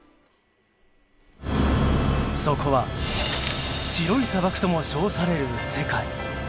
そこは白い砂漠とも称される世界。